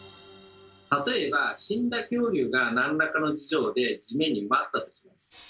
例えば死んだ恐竜が何らかの事情で地面に埋まったとします。